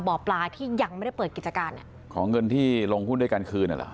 หมอปลาที่ยังไม่ได้เปิดกิจการอ่ะขอเงินที่ลงหุ้นด้วยการคืนอ่ะเหรอ